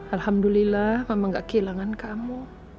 alhamdulillah mama gak kehilangan kamu